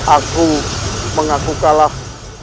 aku mengaku kalah